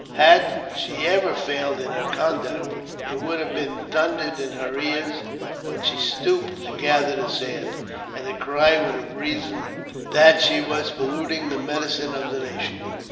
Had she ever failed in her conduct, it would have been thundered in her ears when she stooped to gather the sand, and a cry would have arisen that she was polluting the medicine of the nation.